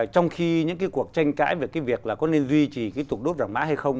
trong khi những cái cuộc tranh cãi về cái việc là có nên duy trì cái tục đốt vàng mã hay không